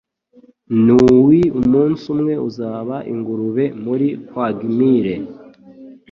nui umunsi umwe uzaba ingurube muri quagmire